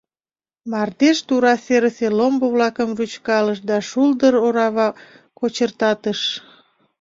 Мардеж тура серысе ломбо-влакым рӱчкалыш да шулдыр орава кочыртатыш.